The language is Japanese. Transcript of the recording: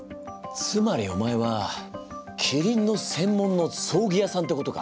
つまりお前はキリンの専門の葬儀屋さんってことか？